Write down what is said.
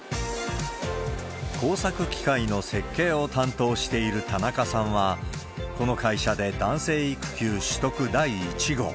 工作機械の設計を担当している田中さんは、この会社で男性育休取得第１号。